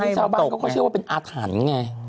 ชาวบ้านเขาก็เชื่อว่าเป็นอาถรรพ์ไง